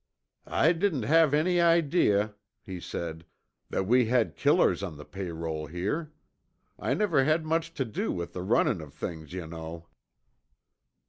"I didn't have any idea," he said, "that we had killers on the payroll here. I never had much to do with the runnin' of things, you know."